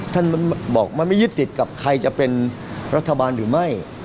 ท่านบอกมันไม่ยึดติดกับใครจะเป็นรัฐบาลหรือไม่